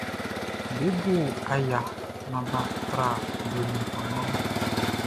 Be bo aya naan bʼa tra blo nnɛn kanngan mun.